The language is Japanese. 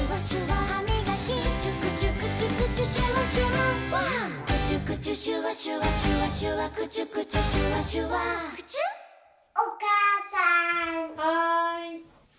はい。